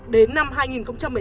đến năm hai nghìn một mươi sáu